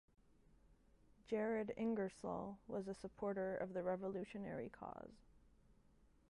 Jared Ingersoll was a supporter of the Revolutionary cause.